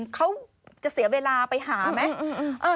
เขาจะเสียเวลาไปหาไหม